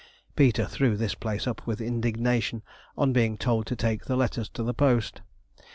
Peter threw this place up with indignation on being told to take the letters to the post.